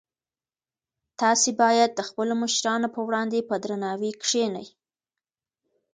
تاسي باید د خپلو مشرانو په وړاندې په درناوي کښېنئ.